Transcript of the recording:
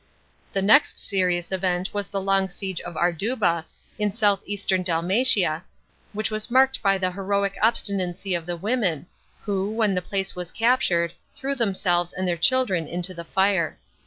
The next serious event was the long siege of Arduba,f in south eastern Dalmatia, which was marked by the heroic obstinacy of the women, who, when the place was captured, threw themselves and their children into the fire.